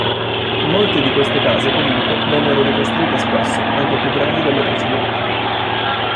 Molte di queste case comunque vennero ricostruite spesso anche più grandi delle precedenti.